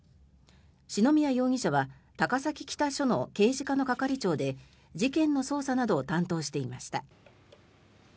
篠宮容疑者は高崎北署の刑事課の係長で事件の捜査などを担当していました。